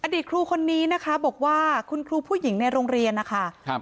ครูคนนี้นะคะบอกว่าคุณครูผู้หญิงในโรงเรียนนะคะครับ